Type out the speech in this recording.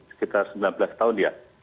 sekitar sembilan belas tahun ya